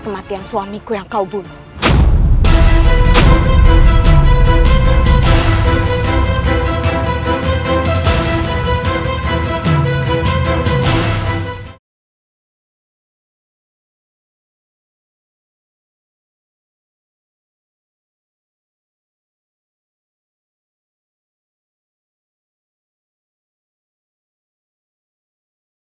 kematian suamiku yang kau bunuh